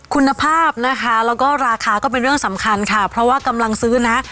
คุณภาพนะคะแล้วก็ราคาก็เป็นเรื่องสำคัญค่ะเพราะว่ากำลังซื้อนะ